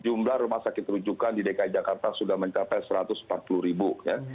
jumlah rumah sakit rujukan di dki jakarta sudah mencapai satu ratus empat puluh ribu